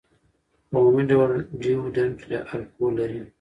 په عمومي ډول ډیوډرنټ الکول لري.